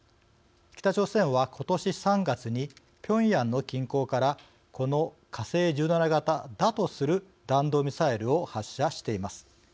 北朝鮮は、今年３月にピョンヤンの近郊からこの火星１７型だとする弾道ミサイルを発射しています。